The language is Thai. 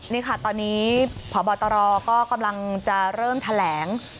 นี่ค่ะตอนนี้พบตรก็กำลังจะเริ่มแถลง